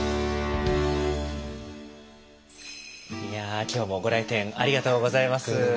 いや今日もご来店ありがとうございます。